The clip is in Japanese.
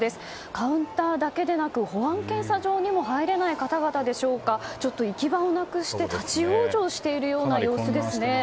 カウンターだけでなく保安検査場にも入れない方々でしょうか行き場をなくして立ち往生している様子ですね。